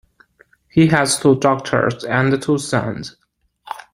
He has two daughters and two sons.